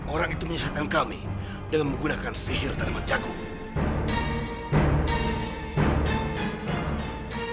orang itu menyesatkan kami dengan menggunakan sihir tanaman jagung